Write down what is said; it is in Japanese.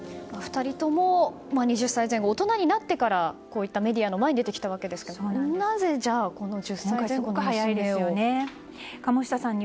２人とも２０歳前後、大人になってからこういったメディアの前に出てきたわけですがなぜじゃあこの１０歳前後の娘を？